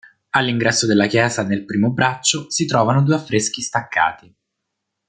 All'ingresso della chiesa, nel primo braccio, si trovano due affreschi staccati.